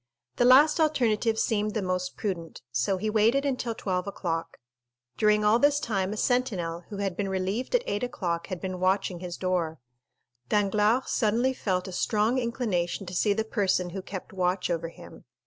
The last alternative seemed the most prudent, so he waited until twelve o'clock. During all this time a sentinel, who had been relieved at eight o'clock, had been watching his door. 50249m Danglars suddenly felt a strong inclination to see the person who kept watch over him.